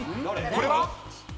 これは！？